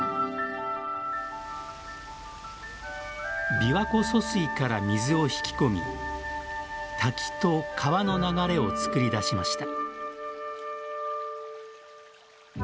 琵琶湖疎水から水を引き込み滝と川の流れをつくり出しました。